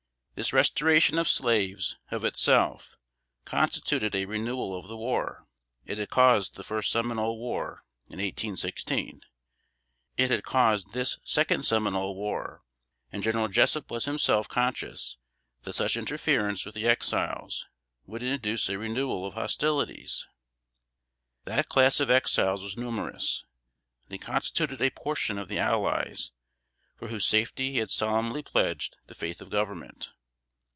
This restoration of slaves, of itself, constituted a renewal of the war. It had caused the first Seminole war, in 1816: it had caused this second Seminole war, and General Jessup was himself conscious that such interference with the Exiles would induce a renewal of hostilities. That class of Exiles was numerous; they constituted a portion of the "allies" for whose safety he had solemnly pledged the faith of Government.